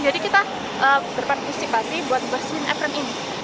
jadi kita berpartisipasi buat mesin efren ini